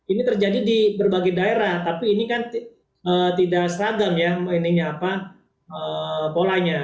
ini terjadi di berbagai daerah tapi ini kan tidak seragam ya polanya